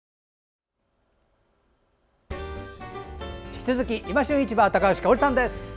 引き続き「いま旬市場」高橋香央里さんです。